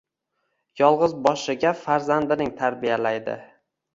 Yolgʻiz boshiga farzandining tarbiyalaydi.